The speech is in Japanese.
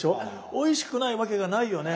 おいしくないわけがないよね。